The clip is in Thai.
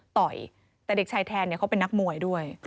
ต่อยแต่เด็กชายแทนเขาเป็นนักมวยด้วย